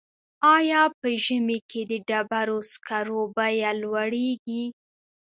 آیا په ژمي کې د ډبرو سکرو بیه لوړیږي؟